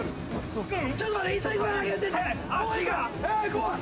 怖い！